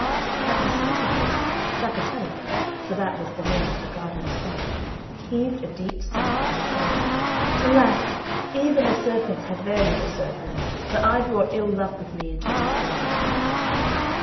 At the sight of this, Sapatella (for that was the name of the gardener's wife) heaved a deep sigh, and said, "Alas! even the serpents have their little serpents; but I brought ill luck with me into this world."